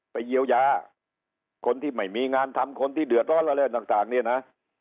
เยียวยาคนที่ไม่มีงานทำคนที่เดือดร้อนอะไรต่างเนี่ยนะ